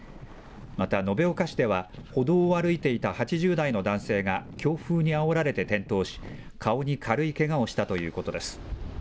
また延岡市では、歩道を歩いていた８０代の男性が強風にあおられて転倒し、顔に軽いけがをしたということです。